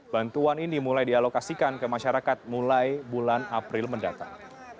bantuan ini mulai dialokasikan ke masyarakat mulai bulan april mendatang